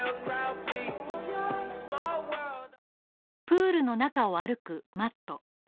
プールの中を歩くマット。